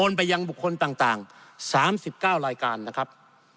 ไปยังบุคคลต่าง๓๙รายการนะครับ